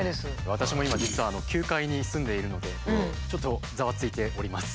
私も今実は９階に住んでいるのでちょっとざわついております。